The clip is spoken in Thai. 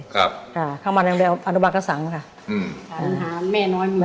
ครับค่ะข้างมาเร็วอันตุบันกระสั่งค่ะ